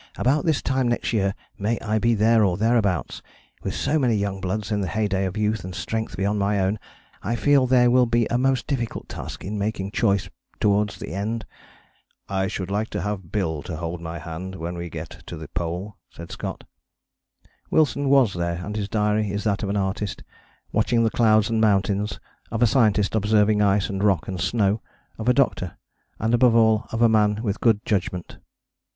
"About this time next year may I be there or thereabouts! With so many young bloods in the heyday of youth and strength beyond my own I feel there will be a most difficult task in making choice towards the end." "I should like to have Bill to hold my hand when we get to the Pole," said Scott. Wilson was there and his diary is that of an artist, watching the clouds and mountains, of a scientist observing ice and rock and snow, of a doctor, and above all of a man with good judgment.